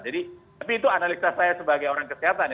tapi itu analisa saya sebagai orang kesehatan ya